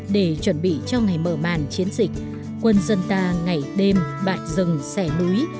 để chuẩn bị cho ngày mở bàn chiến dịch quân dân ta ngày đêm bạch rừng xẻ núi